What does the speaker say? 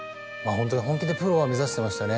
ホントに本気でプロは目指してましたね